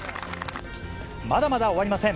まだまだ終わりません。